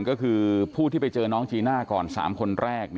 ก็คือผู้ที่ไปเจอน้องจีน่าก่อน๓คนแรก